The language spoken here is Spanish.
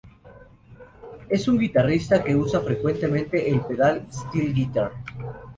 Es un guitarrista que usa frecuentemente la Pedal steel guitar.